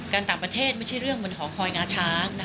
การต่างประเทศไม่ใช่เรื่องรวงห่อคอยง้าช้าง